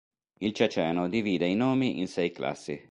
Il ceceno divide i nomi in sei classi.